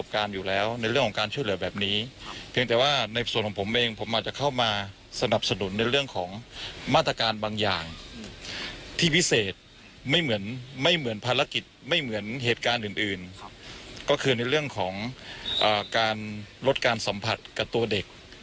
ก็คือในเรื่องของการลดการสัมผัสกับตัวเด็ก